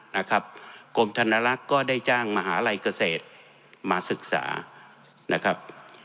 นะครับกรมธนลักษณ์ก็ได้จ้างมหาลัยเกษตรมาศึกษานะครับ